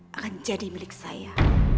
akan jadi milik saya